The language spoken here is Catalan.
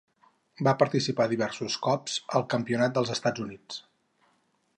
Va participar diversos cops al Campionat dels Estats Units.